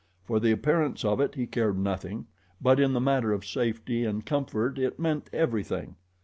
For the appearance of it he cared nothing; but in the matter of safety and comfort it meant everything.